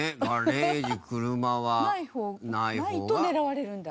ない方がないと狙われるんだ。